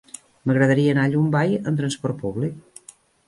M'agradaria anar a Llombai amb transport públic.